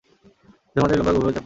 দেহ মাঝারি লম্বা এবং গভীরভাবে চাপা।